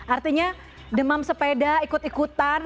artinya demam sepeda ikut ikutan